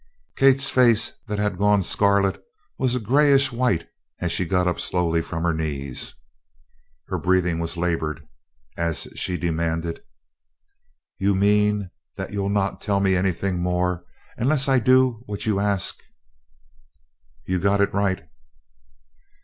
Kate's face, that had gone scarlet, was a grayish white as she got up slowly from her knees. Her breathing was labored as she demanded: "You mean that you'll not tell me anything more unless I do what you ask?" "You got it right."